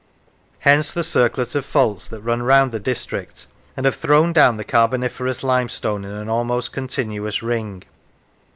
Hence the circlet of faults that run round the district, and have thrown down the Carboniferous limestone in an almost continuous ring.